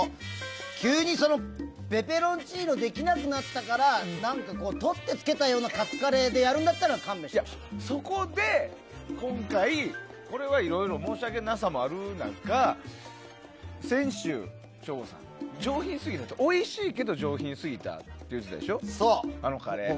急にペペロンチーノできなくなったからとってつけたようなカツカレーでやるんだったらそこで、今回これはいろいろ申し訳なさもある中先週、省吾さんおいしいけど上品すぎたと言ってたでしょ、あのカレー。